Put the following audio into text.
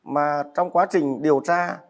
mà trong quá trình điều tra